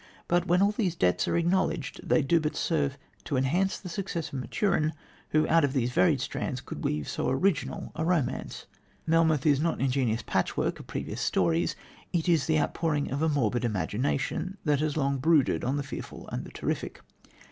But, when all these debts are acknowledged they do but serve to enhance the success of Maturin, who out of these varied strands could weave so original a romance. Melmoth is not an ingenious patchwork of previous stories. It is the outpouring of a morbid imagination that has long brooded on the fearful and the terrific.